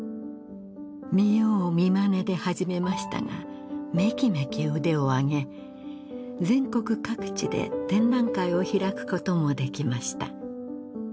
見よう見まねで始めましたがめきめき腕を上げ全国各地で展覧会を開くこともできました